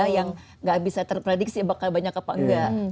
yang nggak bisa terprediksi bakal banyak apa enggak